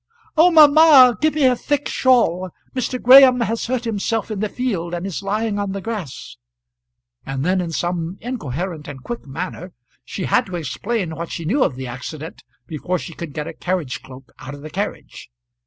"Oh, mamma! give me a thick shawl; Mr. Graham has hurt himself in the field, and is lying on the grass." And then in some incoherent and quick manner she had to explain what she knew of the accident before she could get a carriage cloak out of the carriage.